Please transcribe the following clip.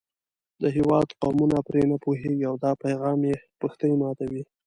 د هېواد قومونه پرې نه پوهېږي او دا پیغام یې پښتۍ ماتوي.